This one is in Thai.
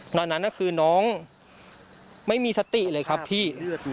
ตอนนั้นคือน้องไม่มีสติเลยครับพี่